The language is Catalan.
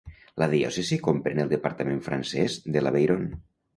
La diòcesi comprèn el departament francès de l'Aveyron.